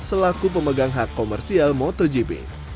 selaku pemegang hak komersial motogp